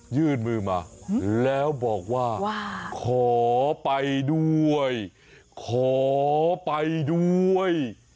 ยื่นมือมาแล้วบอกว่าขอไปด้วยขอไปด้วย